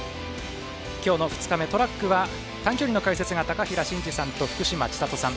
今日の２日目、トラックは短距離の解説が高平慎士さんと福島千里さん。